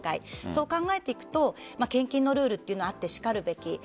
そう考えていくと献金のルールというのはあってしかるべき。